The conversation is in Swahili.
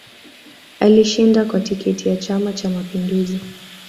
Alishinda kwa tiketi ya chama cha mapinduzi